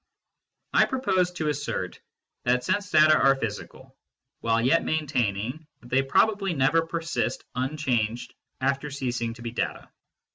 I propose to assert that sense data are physical, while yet maintaining that they probably never persist un changed after ceasing to be data.